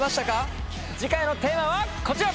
次回のテーマはこちら！